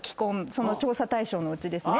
その調査対象のうちですね。